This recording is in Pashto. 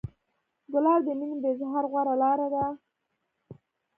ګلاب د مینې د اظهار غوره لاره ده.